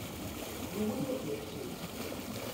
Yiwen ur t-iḥsib.